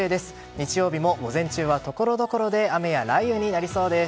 日曜日も午前中はところどころで雨や雷雨になりそうです。